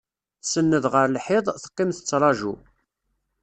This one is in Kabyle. Tsenned ɣer lḥiḍ, teqqim tettraǧu.